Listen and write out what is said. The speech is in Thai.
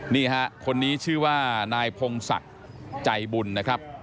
นี่ฮะคนนี้ชื่อว่านายพงศักดิ์ใจบุญนะครับ